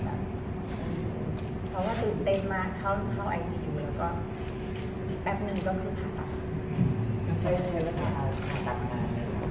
ใช่เลยครับผ่าตัด